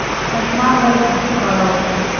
ماشومان باید صحي خواړه وخوري.